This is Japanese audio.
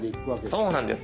そうなんです。